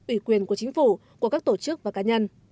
ủy quyền của chính phủ của các tổ chức và cá nhân